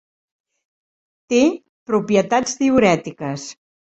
Té propietats diürètiques.